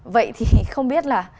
vậy thì không biết là